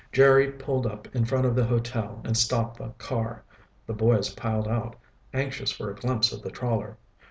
Jerry pulled up in front of the hotel and stopped the car. The boys piled out, anxious for a glimpse of the trawler.